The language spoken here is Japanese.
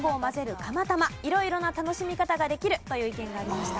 釜玉色々な楽しみ方ができるという意見がありました。